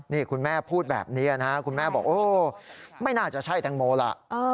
นี่คุณแม่พูดแบบนี้นะคุณแม่บอกโอ้ไม่น่าจะใช่แตงโมล่ะ